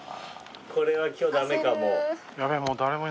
これは今日ダメかも。